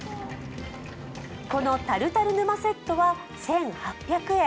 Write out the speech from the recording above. このタルタルＮＵＭＡセットは１８００円。